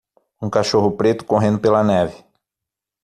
Um cachorro preto correndo pela neve.